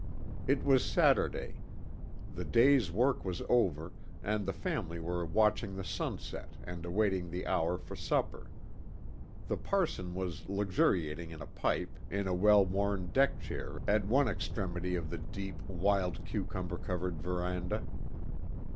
It was Saturday. The day's work was over, and the family were watching the sunset and awaiting the hour for supper. The parson was luxuriating in a pipe in a well worn deck chair at one extremity of the deep, wild cucumber covered veranda.